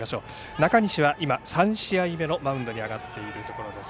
中西は今３試合目のマウンドに上がっているところです。